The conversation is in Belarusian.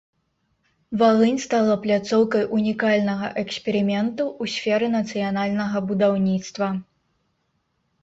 Валынь стала пляцоўкай унікальнага эксперыменту ў сферы нацыянальнага будаўніцтва.